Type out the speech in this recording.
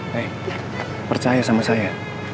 nih percaya sama saya